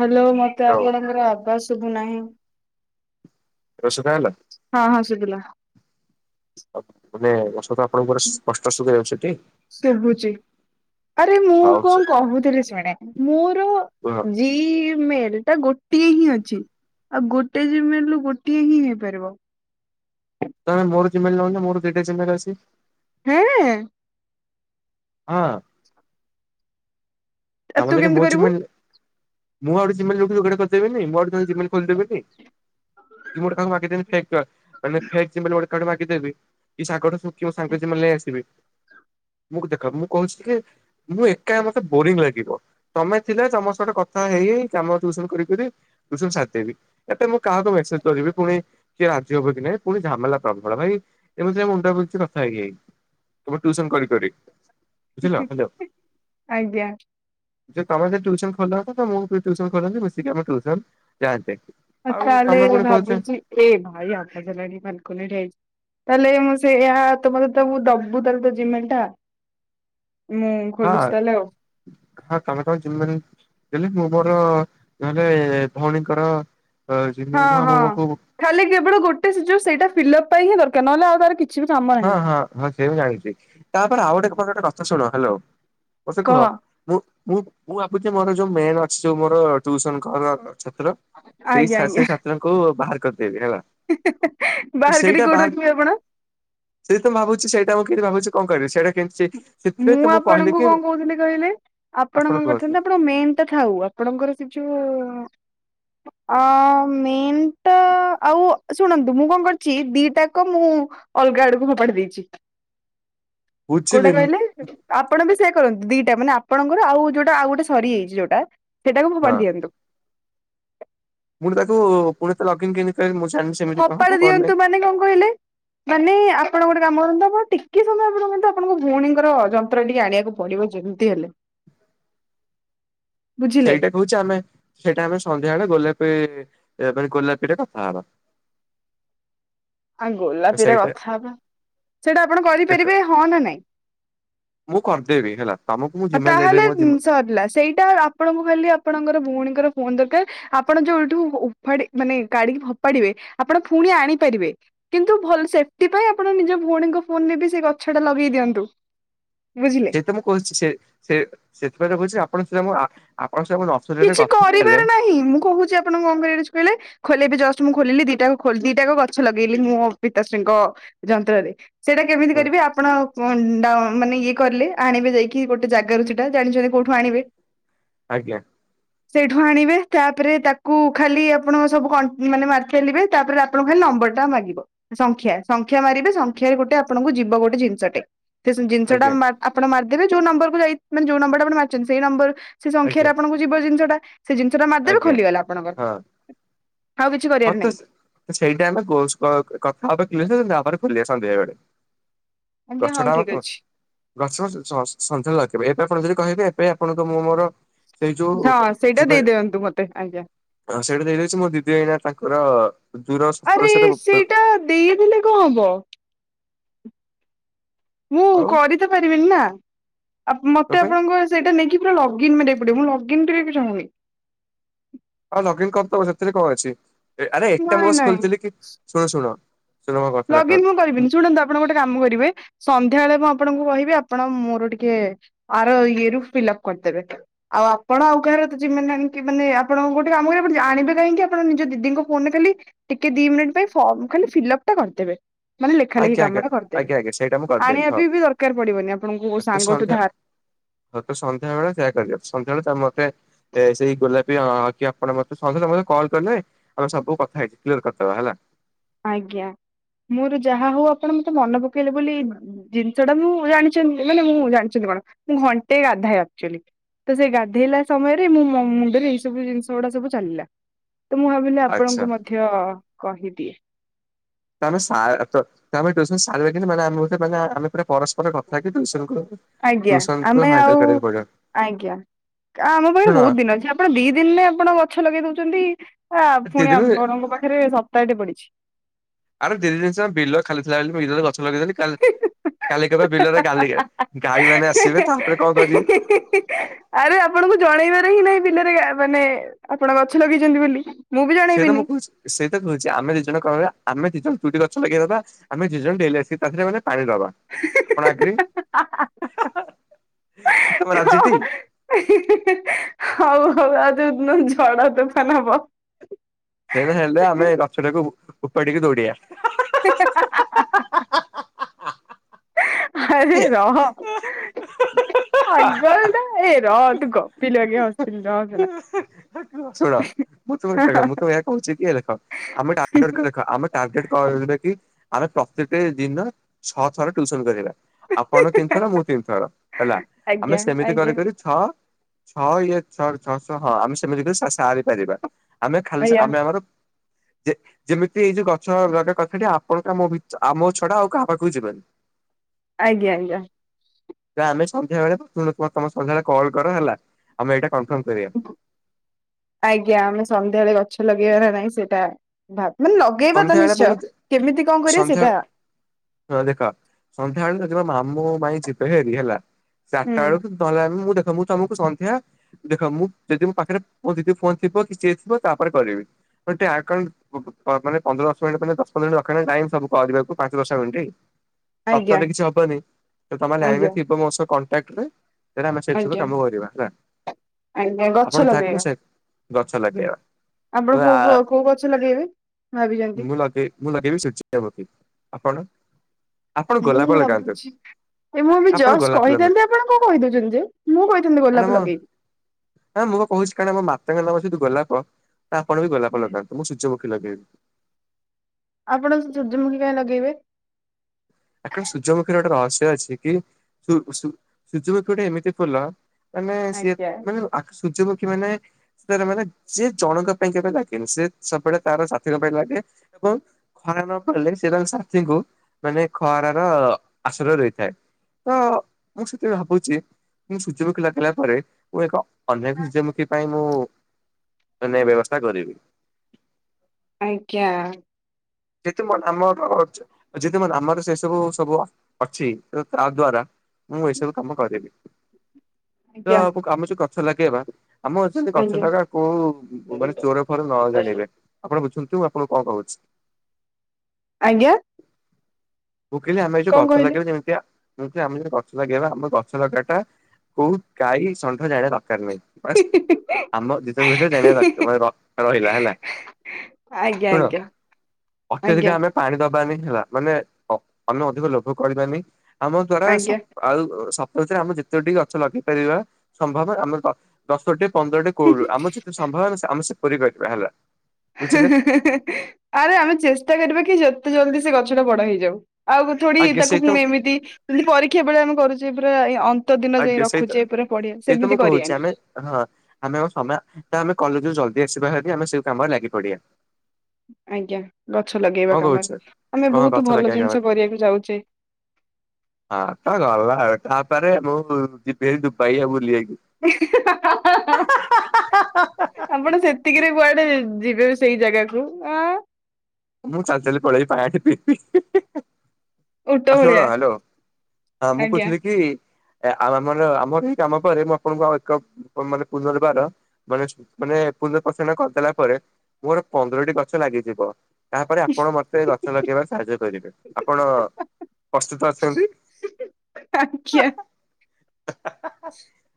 Hello ମତେ ହଉ ଆପଣଙ୍କର ଆବାଯ ଶୁଭୁନାହିଁ। ରସ ବାହାରିଲା? ହଁ ହଁ ଶୁଭିଲା। ମାନେ ବଷତ ଆପଣଙ୍କୁ ପୁରା ସ୍ପଷ୍ଟ ଶୁଭା ଯାଉଛି ଟି? ଶୁଭୁଛି ଆରେ ମୁଁ ହଉ ସୁ କଣ କହୁଥିଲି ଶୁଣେ ମୋର କୁହ। ଜି ମେଲ ଟା ଗୋଟିଏ ହିଁ ଅଛି, ଆଉ ଗୋଟେ ଜି ମେଲ ରୁ ଗୋଟିଏ ହିଁ ହେଇପାରିବ। ତମେ ମୋର ଜିମେଲ୍ ନଉନ, ମୋର ଦିଟା ଜିମେଲ ଅଛି। ହଁ ହଁ ଆଉ ତା ତୁ ମଝିରେ କେମିତି ମୋ କରିବୁ? ଜିମେଲ, ମୁଁ ଆଉ ଜିମେଲ ଯୋଗାଡ଼ କରିଦେବିନୀ, ମୁଁ ଆଉ ଗୋଟେ ଜିମେଲ ଖୋଲିଦେବନି। କି ମୁ ଗୋଟେ ମାଗିଦେବୀ କାହାକୁ ଫେକ, ମାନେ ଫେକ ଜିମେଲ ଗୋଟେ କାହାଠୁ ମାଗିଦେବ, କି ସାଗର କି ମୋ ସାଙ୍ଗ ଜିମେଲ ନେଇ ଆସିବେ, ମୁ ଦେଖ ମୁଁ କହୁଛି ମୁଁ ଏକା ମତେ ବୋରିଙ୍ଗ ଲାଗ ତମେ ଥିଲେ ତମ ସହିଟ କଥା ହେଇ କାମ ଟ୍ୟୁସୁନ କରିକିରି ସାରିଦେବୀ, ଏ ମୁଁ କାହାକୁ ମେସେଜ କରିବି ପୁଣି କିିଏ ରାଜି ହବ କି ନାଇଁ, ପୁଣି ଝାମେଲା ପ୍ରବଳ, ଭାଇ ଏମିତି ମୁଣ୍ଡା ବିନ୍ଧୁଚି କଥା ହେଇ ହୋଇ। ସବୁ ଟ୍ୟୁସନ କରି କରି। ବୁଝିଲ ହାଲୋ ଆଜ୍ଞା ଯ ତମେ ଯଦି ଟ୍ୟୁସନ ଖୋଲନ୍ତ ତ ମୁଁ ବି ଟ୍ୟୁସନ ଖୋଲନ୍ତି, ମିଶିକି ଆମେ ଟ୍ୟୁସନ ଯାଆନ୍ତେ। ଆଉ ତାହେଲେ ତମେ ପୁଣି କହୁଛ ଭାବୁଛି ଏ ଭାଇ ଆବାଜ଼ ହେଲାଣି ବାଲକୋନୀ ଠିଆ ହେଇଛି। ତାହେଲେ ମୁଁ ସେ ଏହା ତମର ଦବୁ ତାହେଲେ ତ ଜିମେଲ ଟା। ମୁଁ ହଁ ଖୋଲୁଛି ତାହେଲେ ଆଉ। ହଁ ତମେ କ ଯମିବନି। ହେଲେ ମୁଁ ମୋର ନହେଲେ ଭଉଣୀଙ୍କର ହଁ ଜିମେଲ ମୁଁ ହଁ ମୋ ଖାଲି କେବଳ ଗୋଟେ ସୁ ଯୋ ସେଇଟା ଫିଲଅପ ପାଇଁ ହିଁ ଦରକାର ନହେଲେ ଆଉ ତାର କି ହଁ ହଁ ହଁ ସେ ବି ଜାଣିଛି ତାପରେ ଆଉ ଗୋଟେ ଗୋଟେ କଥା ଶୁଣ ହ୍ୟାଲୋ ମୋ ସେ କହ କୁହ ମୁଁ ମୁଁ ମୁଁ ଭାବୁଛି ମୋର ଯୋ ମେଲ ଅଛି ଯୋ ମୋର ଟ୍ୟୁସନ ଘର ଛାତ୍ର। ସେଇ ଆଜ୍ଞା ଆଜ୍ଞା ସେ ଛାତ୍ରଙ୍କୁ ବାହାର କରିଦେବି ହେଲା। ବାହାର କରିିକି କୋଉଠି ରଖିବେ ଆପଣ? ସେଇ ତ ମୁଁ ଭାବୁଛି ସେଇଟା ମୁଁ କିି ଭାବୁଛି କଣ କରିବିଇଟା କେମିତି ସେଥିରେ ମୁଁ ତ କହିଲି ଆପଣଙ୍କୁ କି କଣ କହୁଥିଲି କହିଲେ, ଆପଣ କଣ କରିଥାନ୍ତେ ଆପ ମେନଟା ଥାଉ ଆପଣଙ୍କର ସେ ଯୋଉ ଅ ମେନ୍ ଟା ଆଉ ଶୁଣନ୍ତୁ ମୁଁ କଣ କରୁଛି ଦିଟାକ ମୁଁ ଅଲଗା ଆଡକୁ ଫପାଡି ଦେଇଛି। ବୁଝିଲି କୋଉଟେ ମୁଁ କହିଲେ? ଆପଣ ବି ସେୟଆ କରନ୍ତୁ ଦିଟା ମାନେ ଆପଣଙ୍କର ଆଉ ଯୋଉଟା ଆଉ ଗୋଟେ ସରିଯାଇଛି ଯୋଉଟା। ସେଟାକୁ ହଁ ଫୋପାଡ଼ି ଦିଅନ୍ତୁ। ପୁଣି ତାକୁ ପୁଣି ସେ ଲଗଇନ। ମୁଁ ଜାଣିନି ସେମ ଫୋପାଡ଼ି ଦିଅନ୍ତୁ ମାନେ କଣ କହିଲେ? ମାନେ ଆପଣ ଗୋଟେ କାମ କରନ୍ତୁ ଆପଣ ଟିକେ ସମୟ ଆପଣ କରନ୍ତୁ ଆପଣଙ୍କ ଭଉଣୀଙ୍କର ଯନ୍ତ୍ର ଟିକେ ଆଣିବାକୁ ପଡିବ ଯେମିତି ହେଲେ। ବୁଝିଲେ ସେଇଟା କହୁଛି ଆମେ ସେଇଟା ଆମେ ସନ୍ଧ୍ୟାବେଳେ ଗୋଲାପୀ ମାନେ ଗୋଲାପୀରେ କଥା ହବା। ଆ ଗୋଲାପୀରେ ସେଇଟା କଥା ହବା ସେଇଟା ଆପଣ ଦେଖ କରିପାରିବେ ହଁ ନା ନାଇଁ? ମୁଁ କରିଦେବି ହେଲା ତମକୁ ମୁଁ ଆଉ ଜିମେଲ ଦେଇଦେବି ତାହେଲେ ମୋ ଜିମେ ସରିଲା ସେଇଟା ଆପଣଙ୍କୁ ଖାଲି ଆପଣଙ୍କର ଭଉଣୀଙ୍କର ଫୋନ ଦରକାର। ଆପଣ ଯୋଉଠୁ ଉଫାଡ଼ି ମାନେ କାଢିକି ଫୋପାଡିବେ ଆପଣ ଫୁଣି ଆଣିପାରିବେ। କିନ୍ତୁ ଭଲ ସେଫ୍ଟି ପାଇଁ ଆପଣ ନିଜ ଭଉଣୀଙ୍କ ଫୋନରେ ବି ସେ ଗଛଟା ଲଗେଇ ଦିଅନ୍ତୁ ବୁଝି ସେ ମୁଁ କହୁଛି ସେ, ସେ ସେଥିପାଇଁ ତ କହୁଛି ଆପଣ ସିଧା ମୋ ଆପଣଙ୍କ ସିଧା ମୋ ନର୍ସରୀରେ କିଛି କଥା ହେଲେ କରିବାର ନାହିଁ, ମୁଁ କହୁଛି ଆପଣଙ୍କୁ କଁ କରିବାର ଅଛି କହିଲେ ଖୋଲେଇ ବି ଜଷ୍ଟ ମୁଁ ଖୋଲିଲି ଦିଟା ଦିଟାକ ଗଛ ଲଗେଇଲି ମୁଁ ମୋ ପିତାଶ୍ରୀଙ୍କ ଯନ୍ତ୍ରରେ। ସେଇଟା କେମିତି ହୁଁ କରିବେ ଆପଣ ଡା ମାନେ ଇଏ କଲେ ଆଣିବେ ଯାଇକି ଗୋଟେ ଜାଗାରୁ ସେଟା ଜାଣିଛନ୍ତି କୋଉଠୁ ଆଣିବେ। ଆଜ୍ଞା। ସେଇଠୁ ଆଣିବେ ତାପରେ ତାକୁ ଖାଲି ଆପଣ ସବୁ କ ମାନେ ମାରିଚାଲିବେ ତାପରେ ଆପଣଙ୍କୁ ଖାଲି ନମ୍ବରଟା ମାଗିବ ସଂଖ୍ୟା, ସଂଖ୍ୟା ମାରିବେ ସଂଖ୍ୟାରେ ଗୋଟେ ଆପଣଙ୍କୁ ଯିବ ଗୋଟେ ଜିନିଷଟେ। ସେ ଜିନିଷଟା ଆଜ୍ଞା ଆପଣ ମାରିଦେବେ ଯୋଉ ନମ୍ବରକୁ ଯାଇ ମାନେ ଯଉ ନମ୍ୱରଟା ଆପଣ ମାରିଛନ୍ତି ସେଇ ନମ୍ବର ସେ ସଂଖ୍ୟାରା ଆଜ୍ଞା ଆପଣଙ୍କୁ ଯିବ ଜିନିଷଟା ସେ ଜିନିଷଟା ମାରିଦେବେ ଆଜ୍ଞା ଖୋଲିଗଲା ଆପଣଙ୍କର। ଆଉ କିଛି କରିବାର ହଉ ତ ନାହିଁ ସେଇଟା ଆମେ ଗୋସ୍ କଥା ହେବା [unintelligible] ଖୋଲିିବା ସନ୍ଧ୍ୟା ବେଳେ। ଆଜ୍ଞା ହଉ ଗଛଟା ହବ ଠିକ କଁ ଅଛି ଗଛ ସନ୍ଧ୍ୟାରେ ଲଗେଇବେ ଏବେ ଆପଣ ଯଦି କହିବେ ଏବେ ଆପଣଙ୍କୁ ମୁଁ ମୋର ସେଇ ଯୋଉ, ହଁ ସେଇଟା ଜି ମେ ଦେଇଦିଅନ୍ତୁ ମତେ ଆଜ୍ଞା ସେଇଟା ଦେଇଦେଇଛି ମୋ ଦିଦି ଏଇନା ଆରେ [unintelligible] ସେଇଟା ଦେଇଦେଲେ କଣ ହବ? ମୁଁ ଆଉ କରି ତ ପାରିବିନି ନା କଣ ମତେ ପାଇଁ ଆପଣଙ୍କ ସେଇଟା ନେଇକି ପୁରା ଲଗଇନ ମାରିବାକୁ ପଡିବ, ମୁଁ ଲଗଇନ କରିବାକୁ ଚାହୁଁନି। ହଁ ଲଗ୍ଇନ କରିଦେବ ସେଥିରେ କଣ ଅଛି, ଆରେ ଏଟା ମୁଁ ନାଇଁ ବସ୍ ନାଇଁ ଖୋଲିଥିଲି କି ଶୁଣ ଶୁଣ ଶୁଣ ମୋ କଥାଟା କର ଲଗଇନ୍ ମୁଁ କରିବିନି ଶୁଣନ୍ତୁ ଆ ଆପଣ ଗୋଟେ କାମ କରିବେ ସନ୍ଧ୍ୟାବେଳେ ମୁଁ ଆପଣଙ୍କୁ କହିବି ଆପଣ ମୋର ଟିକେ ଆର ଇଏରୁ ଫିଲ୍ଅପ କରିଦେବେ। ଆଉ ଆପଣ ଆଉ କାହାର ଜିମେଲ ଆଣିକି ମାନେ ଆପଣ ଗୋଟେ କାମ କରିବା ଆଣିବେ କାହିଁକି ଆପଣ ନିଜ ଦିଦିଙ୍କ ଫୋନରେ ଖାଲି ଟିକେ ଦି ମିନିଟ୍ ପାଇଁ ଫର୍ମ ଖାଲି ଫିଲ୍ଅପ୍ ଟା କରିଦେବେ। ମାନେ ଲେଖା ଲେଖି ଆଜ୍ଞା ଆଜ୍ଞା କାମଟା କରିଦେବେ, ଆଜ୍ଞା ଆଜ୍ଞା ସେଇଟା ମୁଁ କରିଦେବି ଆଣିବା ହଁ। ପବି ଦରକାର ପଡିବନି ଆପଣଙ୍କୁ ସାଙ୍ଗଠୁ ଧାର। ହଉ ତ ସନ୍ଧ୍ୟାବେଳେ ସେଇୟା କରିବା ସନ୍ଧ୍ୟାବେଳେ ତମେ ମତେ ଏ ସେଇ ଗୋଲାପୀ ହଁ କି ଆପଣ ମୋତେ ସନ୍ଧ୍ୟା ସମୟରେ କଲ୍ କଲେ ଆମେ ସବୁ କଥା ହେଇଛି କ୍ଲିୟର କରିଦବା ହେଲା। ଆଜ୍ଞା ମୋର ଯାହା ହଉ ଆପଣ ମତେ ମନେ ପକେଇଲେ ବୋଲି ଜିନିଷଟା ମୁଁ ଜାଣିଛନ୍ତି ମାନେ ମୁଁ ଜାଣିଛନ୍ତି କଣ ମୁଁ ଘଣ୍ଟେ ଗାଧାଏ ଆକ୍ଚୁଆଲି। ତ ସେଇ ଗାଧେଇଲା ସମୟରେ ମୁଁ ମୋ ମୁଣ୍ଡରେ ଏଇ ସବୁ ଜିନିଷଗୁଡା ସବୁ ଚାଲିଲା। ତ ମୁଁ ଭାବିଲି ଆଚ୍ଛା ଆପଣଙ୍କୁ ମଧ୍ୟ କହିଦିଏ। ତ ଆମେ ସା ଆମେ ଟିଉସନ୍ ସାର [unintelligible] ମାନେ ଆମେ ପୁରା ପରସ୍ ଗୋଟେ କଥା କି ଟୁଇସନ କରନ୍ତୁ, ଆଜ୍ଞା ଟୁସନ୍ ଆମେ କୁ ହାଇଡ୍ରାଲ କରିବାକୁ ପଡିବ। ଆ ଆମ ପାଖରେ ଶୁଣ ବହୁତ ଦିନ ଅଛି ଆପଣ ଦି ଦିନରେ ଆପଣ ଗଛ ଲଗେଇ ଦଉଛନ୍ତି, ଆ ଦି ପୁଣି ଦିନ ଆପଣଙ୍କ ପାଖରେ ସପ୍ତାହଟେ ପଡିଛି। ଆରେ ଦି ଦିନ ସିନା ବିଲ ଖାଲିଥିଲା ବୋଲି ବିଲରେ ଗଛ ଲଗେଇଦେଲି। କାଲି କହିବା ବିଲରେ ଗାଲି ଗାଈମାନେ ଆସିବେ ତାପରେ କଣ କରିବି। [unintelligible] ଆରେ ଆପଣଙ୍କୁ ଜଣେଇବାରେ ହିଁ ନାହିଁ ବିଲରେ ମାନେ ଆପଣ ଗଛ ଲଗେଇଛନ୍ତି ବୋଲି। ମୁଁ ବି ସେଇଟା ମୁଁ ଜଣେଇବିନି। କହୁଛି ସେଇଟା କହୁଛି ଆମେ ଦି ଜଣଙ୍କ କଣ କରିବା ଆମେ ଦି ଜଣ ଦୁଇଟି ଗଛ ଲଗେଇଦବା। ଆମେ ଦି ଜଣ ଡେଲି ଆସି ତାଥିରେ ମାନେ ପାଣି ଦବା। ଆପଣ ଆକ୍ରି, ତମେ ରାଜିଟି? [unintelligible] ହଉ ହଉ ଆଉ ଯୋଉଦିନ ଝଡ ତୋଫାନ ହବ ସେମତି ହେଲେ ଆମେ ଗଛଟାକୁ ଉପାଡିିକି ଦୌଡିଆ। [unintelligible] ଆରେ ରହ। ଆଗ ନା ଏଇ ର ତୁ ଗପିଲୁ ଆଗେ ହସିଲୁ ହସ ନା। ଶୁଣ ମୁଁ ତମ ଦେଖ ମୁଁ ତମକୁ ଏଇଆ କହୁଛି କି ଦେଖ ଆମେ [unintelligible] ଆମେ ଟାର୍ଗେଟ କଲେ କି ଆମେ ପ୍ରତି ଟି ଦିନ ଛଅ ଥର ଟ୍ୟୁସନ କରିବା। ଆପଣ ତିନିଥର ମୁଁ ତିନିଥର ହେଲା। ଆମେ ଆଜ୍ଞା ସେମିତି କରି ଆଜ୍ଞା କରି ଛଅ ଛଅ ଇଏ ଛଅ ଛଅଶହ ହଁ ଆମେ ସେମିତି ସା ସାରିପାରିବା। ଆମେ ଖାଲି ସେ ଆଜ୍ଞା ଆମେ ଆମର ଯେ ଯେମିତି ଏଇ ଯୋଉ ଗଛ ଲଗା କଥା ଟା ଆପଣ ଙ୍କ ଆଉ ମୋ ଭି ଆମ ଛଡା ଆଉ କାହା ପାଖକୁ ଯିବନି। ଆଜ୍ଞା ଆଜ୍ଞା। ଏଟା ଆମେ ସନ୍ଧ୍ୟାବେଳେ ତମେ ସନ୍ଧ୍ୟାବେଳେ କଲ୍ କର ହେଲା ଆମେ ଏଇଟା କନଫର୍ମ କରିବା। ଆଜ୍ଞା। ଆମେ ସନ୍ଧ୍ୟାବେଳେ ଗଛ ଲଗେଇବ ନା ନାହିଁ ସେଇଟା ଭାବ୍ ମାନେ ଲ ଲଗେଇବା ତ ସନ୍ଧ୍ୟାବେଳେ ମୁଁ ନିଶ୍ଚୟ କେମିତି କଣ କରିବା ସନ୍ଧ୍ୟା ସେଇଟା ହଁ ଦେଖ ସନ୍ଧ୍ୟା ବେଳ ଯିବା ମାମୁଁ ମାଇଁ ଯିବେ ହେରି ହେଲା ଚାରଟା ହୁଁ ବେଳକୁ [unintelligible] ମୁଁ ଦେଖ ମୁଁ ତମକୁ ସନ୍ଧ୍ୟା ଦେଖ ମୁଁ ଯଦି ମୋ ପାଖରେ ମୋ ଦିଦି ଫୋନ୍ ଥିବ କି ସେ ଥିବ ତାପରେ କରିବି। [unintelligible] ମାନେ ପନ୍ଦର ଦଶ ମିନିଟ୍ ମାନେ ଦଶ ପନ୍ଦର ମିନିଟ୍ ପାଖାପାଖି ଟାଇମ୍ ସବୁ କରିବାକୁ ପାଞ୍ଚ ଦଶ ମିନିଟ୍। ଆଜ୍ଞା ନକଲେ କିଛି ହବନି। ତ ତମେ ଲାଇନ୍ ରେ ଆଜ୍ଞା ଥିବ ମୋ ସହ କଣ୍ଟାକ୍ଟରେ ସେଇଟା ଆମେ [unintelligible] ସବୁ ଆଜ୍ଞା କାମ କରିବା ହେଲା। ଆଜ୍ଞା ଗଛ ଆପଣ [unintelligible] ମୁଁ ଲଗେଇବା ସେ ଗଛ ଲଗେଇବା। ଆପଣ ତ କୋଉ କୂଅ କୋଉ ଗଛ ଲଗେଇବେ? ଭାବିଛନ୍ତି? ମୁଁ ଲଗେଇ ମୁଁ ଲଗେଇ ବି [unintelligible] ଆପଣ? ଆପଣ ମୁଁ ଗୋଲାପ ଲଗାନ୍ତୁ ଭାବୁଚି ଏ ମୁଁ ବି ଆପଣ ଜଷ୍ଟ ଗୋଲାପ ଲଗାନ୍ତୁ କହିଥାନ୍ତି ଆପଣ କଣ କହିଦଉଛନ୍ତି ଯେ। ମୁଁ କହିଥାନ୍ତି କାରଣ ଗୋଲାପ ମୋ ଲଗେଇବି। ହଁ ମୁଁ ପା କହୁଚି କାରଣ ମୋ ମାତାଙ୍କ ନାମ ଯେତେତୁ ଗୋଲାପ, ଆପଣ ବି ଗୋଲାପ ଲଗାନ୍ତୁ। ମୁଁ ସୂର୍ଯ୍ୟମୁଖୀ ଲଗେଇବି। ଆପଣ ସୂର୍ଯ୍ୟମୁଖୀ କାଇଁ ଲଗେଇବେ? [unintelligible] ସୂର୍ଯ୍ୟମୁଖୀ ର ଗୋଟେ ରହସ୍ୟ ଅଛି କି ସୂ ସୂ ସୂର୍ଯ୍ୟମୁଖୀ ଗୋଟେ ଏମିତି ଫୁଲ ମାନେ ସିଏ ଆଜ୍ଞା ମାନେ ଆକ୍ ସୂର୍ଯ୍ୟମୁଖୀ ମାନେ ସେରା ମାନେ ଯିଏ ଜଣଙ୍କ ପାଇଁ କେବେ ଲାଗେନି, ସେ ସବୁବେଳେ ତାର ସାଥିଙ୍କ ପାଇଁ ଲାଗେ। ଏବଂ ଖରା ନ ପଡିଲେ ସେ ତାଙ୍କ ସାଥିଙ୍କୁ ମାନେ ଖରା ର ଆଶ୍ରୟ ଦେଇଥାଏ। ତ ମୁଁ ସେଥିପାଇଁ ଭାବୁଚି ମୁଁ ସୂର୍ଯ୍ୟମୁଖୀ ଲଗେଇଲା ପରେ ମୁଁ ଏକ ଅନ୍ୟ ଏକ ସୂର୍ଯ୍ୟମୁଖୀ ପାଇଁ ମୁଁ ମାନେ ବ୍ୟବସ୍ଥା କରିବି। ଆଜ୍ଞା। ଯେତେ ମ ଆମର ଯେତେ ମ ଆମର ସେ ସବୁ ସବୁ ଅଛି ତା ଦ୍ଵାରା ମୁଁ ଏସବୁ କାମ କରିବି। ଆଜ୍ଞା ତ [unintelligible] ଗଛ ଲଗେଇବା ଆମ ଅଛନ୍ତି ଗଛ ଆଜ୍ଞା ଲଗା କୁ କୋଉ ମାନେ ଚୋର ଫୋର ନ ଜାଣିବେ। ଆପଣ ବୁଝନ୍ତୁ ଆପଣଙ୍କୁ କଣ କହୁଚି। ଆଜ୍ଞା। ମୁଁ କହିଲି ଆମେ ଏଉ କଣ ଗଛ କହିଲେ? ଲାଗେଇବା ଯେମିତିଆ ମୁଁ କହିଲି ଆମେ ଯଉ ଗଛ ଲଗେଇବା ଆମ ଗଛ ଲଗା ଟା କୋଉ ଗାଈ ଷଣ୍ଢ ଜାଣିବା ଦରକାର ନାହିଁ। ବାସ୍ ଆମ ଦି ଭିତରେ ଜାଣିବା ଦର ମାନେ ର ରହିଲା ହେଲା। ଆଜ୍ଞା ଶୁଣ ଆଜ୍ଞା। ଅତ୍ୟଧିକ ଆଜ୍ଞା ଆମେ ପାଣି ଦବାନି ହେଲା। ମାନେ ଅଧିକ ଲୋଭ କରିବାନି। ଆମ ଦ୍ଵାରା ଆଜ୍ଞା। [unintelligible] ଯେତେ ଟି ଗଛ ଲଗେଇ ପାରିବା ସମ୍ଭବ ଆମ ଦଶଟି ପନ୍ଦରଟି କୋ ଆମର ଯେତେ ସମ୍ଭବ ଆମେ ସେପରି କରିବା ହେଲା। ବୁଝିଲେ। ଆରେ ଆମେ ଚେଷ୍ଟା କରିବା କି ଯେତେ ଜଲଦି ସେ ଗଛ ଟା ବଡ ହେଇଯାଉ। ଆଉ ଥୋଡି ଆଜ୍ଞା ସେଇ ତାକୁ ତ ପୁଣି ଏମିତି ଯେମତି ପରୀକ୍ଷା ବେଳେ ଆମେ କରୁଚେ ପୁରା ଅ ଶୀତ ଦିନ ଯାଏ ଆଜ୍ଞା ସେଇ ତ ରଖୁଚେ ପୁରା ପଡିଆ ସେଇ ତ ମୁଁ ସେମିତି କହୁଛି କରିବାନି। ଆମେ ହଁ ଆମେ ଆଉ ସମା ଆମେ କଲେଜ୍ ରୁ ଜଲଦି ଆସିବା ହେରି ଆମେ ସେଇ କାମରେ ଲାଗି ପଡିବା। ଆଜ୍ଞା ଗଛ ଲଗେଇବା କଣ କହୁଛ? କାମରେ। ଆମେ କଣ ବହୁତ ଗଛ ଭଲ ଲଗେଇବା କାମରେ ଜିନିଷ କରିବାକୁ ଯାଉଚେ। ହଁ ଅ ଭଲ ଆଉ। ତାପରେ ମୁଁ ଯିବି ଭାରି ଦୁବାଇ ଆଉ ବୁଲିବାକୁ। [unintelligible] ଆପଣ ସେତିକିରେ କୁଆଡେ ଯିବେ ସେଇ ଜାଗାକୁ ଆ ମୁଁ ଚାଲି ଚାଲି ପଳେଇବି ପାରା ପିବି ଓଟ ହଁ ଶୁଣ ଭଳିଆ ହ୍ୟାଲୋ ହଁ ମୁଁ ଆଜ୍ଞା। କହୁଥିଲି କି ଆଉଆମର ଆମର ଇଏ କାମ କରେ ମୁଁ ଆପଣଙ୍କୁ ଆଉ ଏକ ମାନେ ପୁନର୍ବାର ମାନେ ମାନେ ପୂଜ ପ୍ରଚନ୍ନ କରିଦେଲା ପରେ ମୋର ପନ୍ଦରଟି ଗଛ ଲାଗିଯିବ। ତାପରେ ଆପଣ ମତେ ଗଛ ଲଗେଇବାରେ ସାହାଯ୍ୟ କରିବେ, ଆପଣ ଅସୁତ ଆସନ୍ତି। ଆଜ୍ଞା।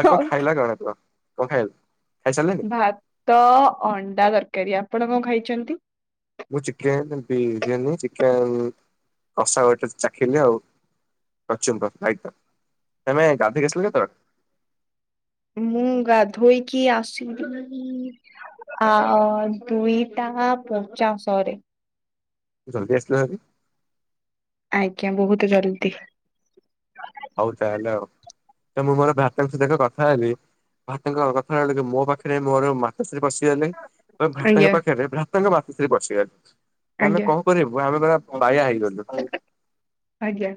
ଆଉ କଣ ଖାଇଲା ଜଣାଯିବ କଣ ଖାଇବୁ? ଭାତ ଅଣ୍ଡା ତରକାରୀ ଆପଣ କଣ ଖାଇଛନ୍ତି? ମୁଁ ଚିକେନ ବିରିୟାନୀ ଚିକେନ କଷା ଗୋଟେ ଚାଖିଲି ଆଉ। କଚୁମ୍ବର୍ ରାଇତା ଆମେ ଗାଧେଇକି ଆସିଲୁ ତ ମୁଁ ଗାଧୋଇକି ଆସିଲି। ଆ ଦୁଇଟା ପଞ୍ଚାଶରେ ଜଲଦି ଆସିଲହାରି ଆଜ୍ଞା ବହୁତ୍ ଜଲଦି। ହଉ ତାହେଲେ ଆଉ ତ ମୁଁ ମୋର ଭାତ୍ରା ଙ୍କ ସହିତ କଥା ହେଲି ଭାତ୍ରାଙ୍କ କଥା ହେଲି ଜେ ମୋ ପାଖରେ ମୋର ମା ବସିବସିଗଲେ ଭ୍ରାତଙ୍କ ଆଜ୍ଞା ପାଖରେ ଭ୍ରାତଙ୍କ ବାତିଶରେ ବସିଗଲେ ଆମେ ଆଜ୍ଞା କଣ ଆ ପରେ ବାରଦରା ବାୟା ହେଇଗଲୁ ଆଜ୍ଞା।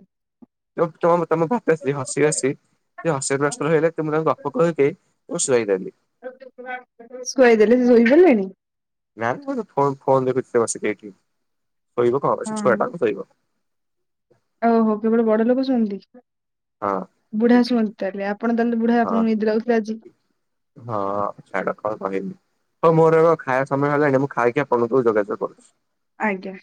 [unintelligible] ତମ ବାପାଶ୍ରୀ ହସି ହସି ସେ ଅସି ବୟସର ହେଲେ ତୁମର ଗପ କହିକି ମୁଁ ଶୁଆଇଦେଲି। ଶୁଆଇଦେଲେ ଶୋଇପଢିଲେଣି? ନାଇଁ ନା ମୁଁ ଫୋନ ଫୋନ୍ ରେ ବସିକ ଏଇଠି ଶୋଇବ କଣ ପାଇଁ ଛୁଆଟା ଶୋଇବ ଓ ହୋ କେବଳ ବଡ ଲୋକ ଶୁଅନ୍ତି? ହଁ ବୁଢା ଶୁଅନ୍ତି ତାହେଲେ ଆପଣ ତାହେଲେ ବୁଢା ହଁ ଆପଣଙ୍କୁ ନିଦ ଲାଗୁଥିବ ଆଜି। ହଁ ଛାଡ କଣ କହିବି? ହଁ ମୋର ଖାଇବା ସମୟ ହେଲାଣି ମୁଁ ଖାଇକି ଆପଣଙ୍କୁ ଯୋଗାଯୋଗ କରୁଛି। ଆଜ୍ଞା।